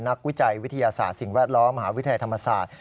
วิจัยวิทยาศาสตร์สิ่งแวดล้อมมหาวิทยาลัยธรรมศาสตร์